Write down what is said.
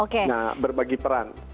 nah berbagi peran